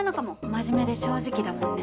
真面目で正直だもんね。